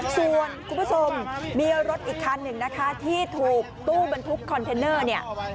ส่วนคุณผู้ชมมีรถอีกคันหนึ่งนะคะที่ถูกตู้บรรทุกคอนเทนเนอร์เนี่ย